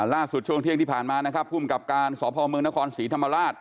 ล่าสุดช่วงเที่ยงที่ผ่านมาภูมิกับการสพมนศฑริยธรรมราช